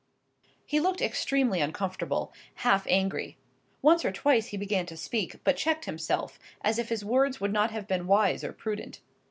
He looked extremely uncomfortable; half angry. Once or twice he began to speak, but checked himself, as if his words would not have been wise or prudent.